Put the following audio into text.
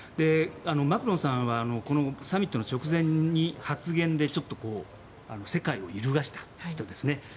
マクロンさんはサミットの直前に発言で、ちょっと世界を揺るがした人ですね。